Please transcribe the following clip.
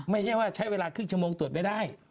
ไม่ใช่ว่าใช้เวลาครึ่งชั่วโมงตรวจไม่ได้